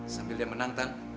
sambil dia menantang